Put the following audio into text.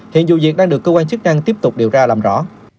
hiện vụ việc đang được cơ quan chức năng tiếp tục điều tra làm rõ